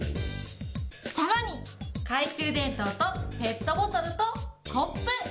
さらに、懐中電灯とペットボトルとコップ。